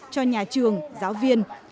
cho nhà trường giáo viên